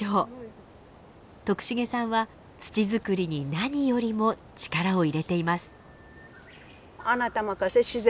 徳重さんは土づくりに何よりも力を入れています。